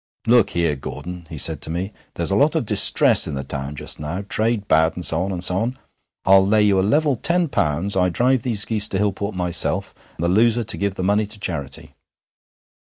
"Look here, Gordon," he said to me: "there's a lot of distress in the town just now trade bad, and so on, and so on. I'll lay you a level ten pounds I drive these geese to Hillport myself, the loser to give the money to charity."